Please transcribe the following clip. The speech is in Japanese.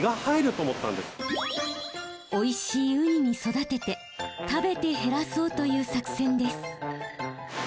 おいしいウニに育てて食べて減らそうという作戦です。